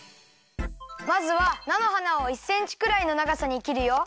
まずはなのはなを１センチくらいのながさにきるよ。